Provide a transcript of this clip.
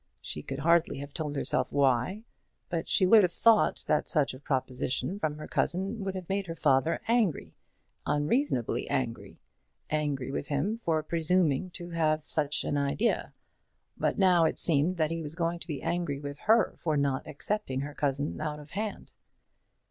She could hardly have told herself why, but she would have thought that such a proposition from her cousin would have made her father angry, unreasonably angry; angry with him for presuming to have such an idea; but now it seemed that he was going to be angry with her for not accepting her cousin out of hand.